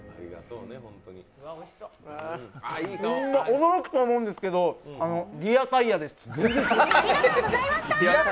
驚くと思うんですけど、リアタイヤです。